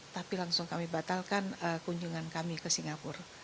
tapi langsung kami batalkan kunjungan kami ke singapura